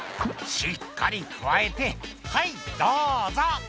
「しっかりくわえてはいどうぞ」